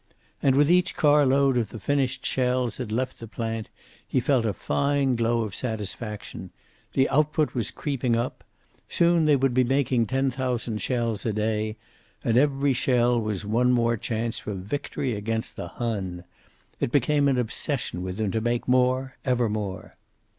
And with each carload of the finished shells that left the plant he felt a fine glow of satisfaction. The output was creeping up. Soon they would be making ten thousand shells a day. And every shell was one more chance for victory against the Hun. It became an obsession with him to make more, ever more.